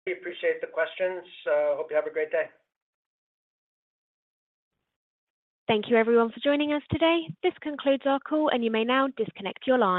We appreciate the questions, hope you have a great day. Thank you everyone for joining us today. This concludes our call, and you may now disconnect your line.